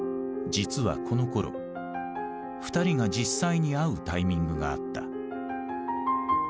実はこのころ２人が実際に会うタイミングがあった。